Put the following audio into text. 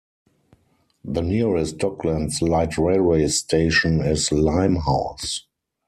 The nearest Docklands Light Railway station is Limehouse.